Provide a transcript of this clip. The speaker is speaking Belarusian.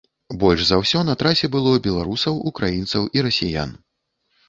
Больш за ўсё на трасе было беларусаў, украінцаў і расіян.